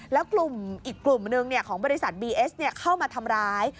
แล้วกลุ่มอีกกลุ่มหนึ่งของบริษัทบีเอสเข้ามาทำร้าย